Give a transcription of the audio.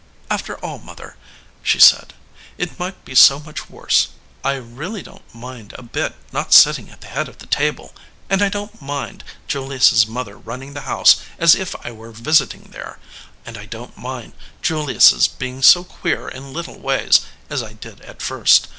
"After all, mother," she said, "it might be so much worse. I really don t mind a bit not sitting at the head of the table, and I don t mind Julius s mother run ning the house as if I were visiting there, and I don t mind Julius s being so queer in little ways, as I did at first.